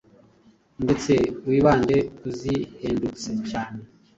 ndetse wibande kuzihendutse cyane